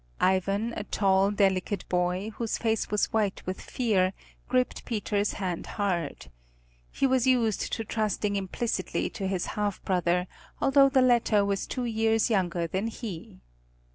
Ivan, a tall, delicate boy, whose face was white with fear, gripped Peter's hand hard. He was used to trusting implicitly to his half brother, although the latter was two years younger than he.